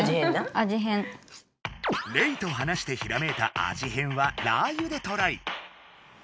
レイと話してひらめいた味変はラー油でトライ。